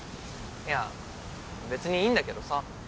いや別にいいんだけどさ。